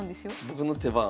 僕の手番？